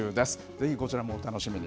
ぜひこちらもお楽しみに。